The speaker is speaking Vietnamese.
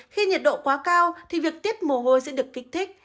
khi nhiệt độ quá cao thì việc tiết mồ hôi sẽ được kích thích